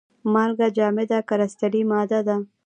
مالګه جامده کرستلي ماده ده.